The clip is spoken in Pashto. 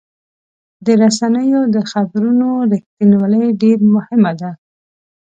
د رسنیو د خبرونو رښتینولي ډېر مهمه ده.